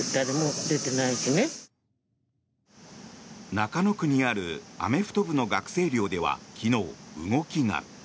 中野区にあるアメフト部の学生寮では昨日、動きが。